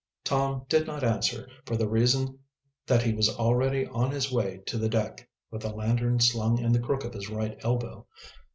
Tom did not answer, for the reason that he was already on his way to the deck, with a lantern slung in the crook of his right elbow.